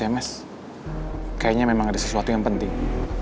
hai tumben aja mau sms kayaknya memang ada sesuatu yang penting